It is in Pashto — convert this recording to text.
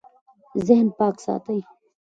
ذهن پاک ساتئ